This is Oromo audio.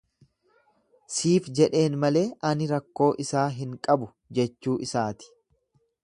Siif jedheen malee ani rakkoo isaa hin qabu jechuu isaati.